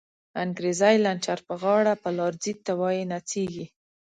انگریزی لنچر په غاړه، په لار ځی ته وایی نڅیږی